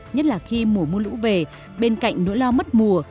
nhất là khi mùa mưa lũ về bên cạnh nỗi lo mất mùa